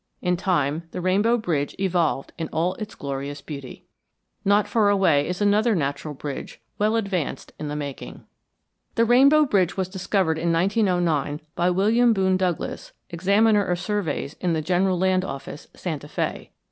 In time the Rainbow Bridge evolved in all its glorious beauty. Not far away is another natural bridge well advanced in the making. The Rainbow Bridge was discovered in 1909 by William Boone Douglass, Examiner of Surveys in the General Land Office, Santa Fé.